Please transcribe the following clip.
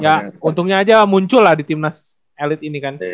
ya untungnya aja muncul lah di timnas elit ini kan